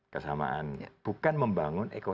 kesamaan bukan membangun ekosistem bukan membangun supply chain